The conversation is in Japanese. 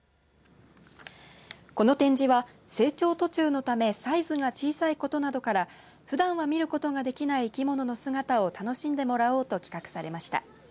この展示は成長途中のためサイズが小さいことなどからふだんは見ることができない生き物の姿を楽しんでもらおうと企画されました。